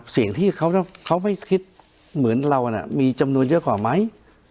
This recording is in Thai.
สิ่งที่เขาไม่คิดเหมือนเรามีจำนวนเยอะกว่าไหม